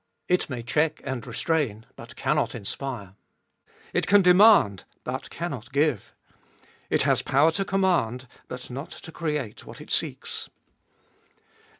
It may check and restrain, but cannot inspire. It can demand, but cannot give ; it has power to command, but not to create what it seeks.